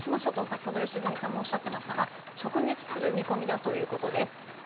先ほど良純さんもおっしゃっていましたが直撃する見込みだということです。